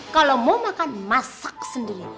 kalau mau makan masak sendiri